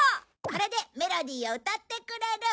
これでメロディーを歌ってくれる。